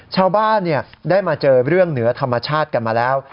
ชาวบ้านได้มาเจอเรื่องเหนือธรรมชาติกันมาแล้ว